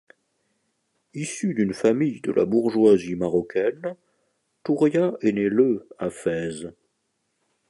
Issue d'une famille de la bourgeoisie marocaine, Touria est née le à Fès.